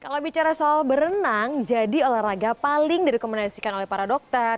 kalau bicara soal berenang jadi olahraga paling direkomendasikan oleh para dokter